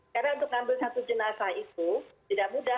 karena untuk mengambil satu jenazah itu tidak mudah